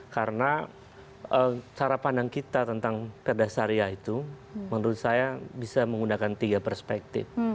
karena cara pandang kita tentang perda syariah itu menurut saya bisa menggunakan tiga perspektif